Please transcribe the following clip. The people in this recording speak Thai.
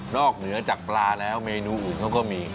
เหนือจากปลาแล้วเมนูอื่นเขาก็มี